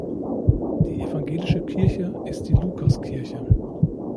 Die evangelische Kirche ist die Lukas-Kirche.